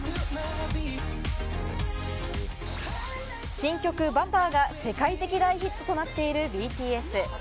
新曲『Ｂｕｔｔｅｒ』が世界的大ヒットとなっているＢＴＳ。